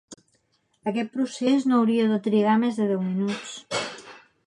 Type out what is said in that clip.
Aquest procés no hauria de trigar més de deu minuts.